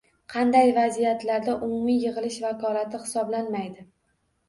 Qanday vaziyatlarda umumiy yig‘ilish vakolatli hisoblanmaydi?